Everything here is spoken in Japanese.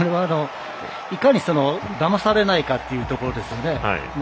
いかにだまされないかというところですよね。